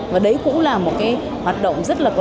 và đấy cũng là một cái hoạt động rất là khó khăn